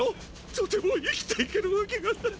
とても生きていけるわけがない！！